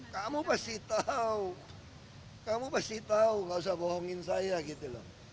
kamu pasti tahu kamu pasti tahu gak usah bohongin saya gitu loh